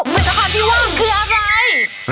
ประเภทที่ว่างคืออะไร